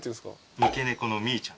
三毛猫のみーちゃん。